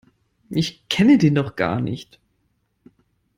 Ich kenne den doch gar nicht!